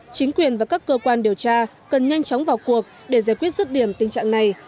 chính quyền và các cơ quan điều tra cần nhanh chóng vào cuộc để giải quyết rứt điểm tình trạng này